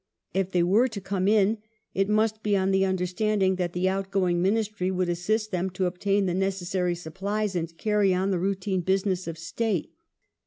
If they were to come in, it must be on the understanding that the outgoing Ministry would assist them to obtain the necessary supplies and to carry on the routine business of State.